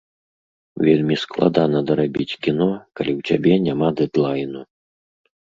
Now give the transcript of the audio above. Вельмі складана дарабіць кіно, калі ў цябе няма дэдлайну.